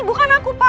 bukan aku pak